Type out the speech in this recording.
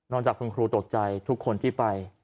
จากคุณครูตกใจทุกคนที่ไป